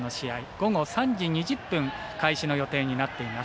午後３時２０分開始の予定になっています。